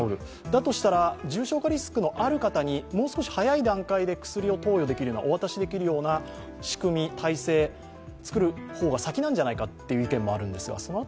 だとしたら、重症化リスクのある人にもう少し早い段階で薬をお渡しできるような仕組み、体制を作るのが先なんじゃないかという人もいますが？